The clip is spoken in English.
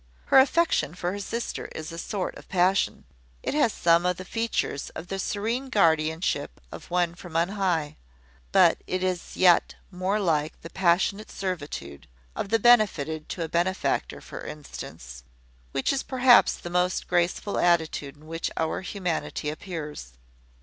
Her affection for her sister is a sort of passion. It has some of the features of the serene guardianship of one from on high; but it is yet more like the passionate servitude of the benefited to a benefactor, for instance which is perhaps the most graceful attitude in which our humanity appears.